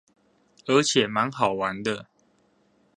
而且滿好玩的